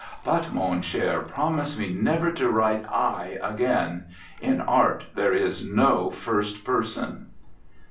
But, mon cber, promise me never to write T again. In art there is no first person."